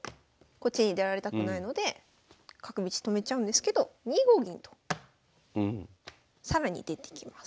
こっちに出られたくないので角道止めちゃうんですけど２五銀と更に出てきます。